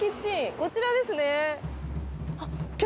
こちらですね。